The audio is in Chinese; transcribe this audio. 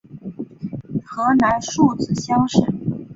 河南戊子乡试。